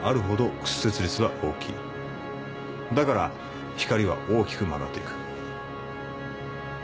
だから光は大きく曲がっていく。